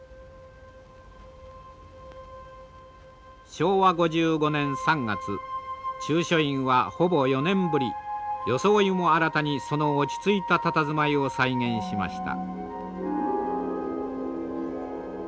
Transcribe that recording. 昭和５５年３月中書院はほぼ４年ぶり装いも新たにその落ち着いたたたずまいを再現しました。